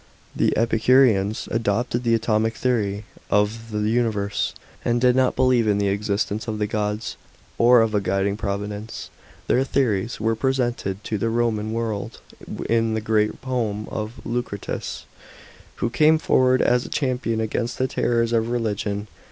The Epicureans adopted the atomic theory of the universe, and did not believe in the existence of the gods or of a guiding providence. Their theories were presented to the Roman world in the great poem of Lucretius, who came forward as a champion against the terrors of religion.